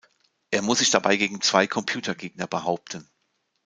Er muss sich dabei gegen zwei Computergegner behaupten.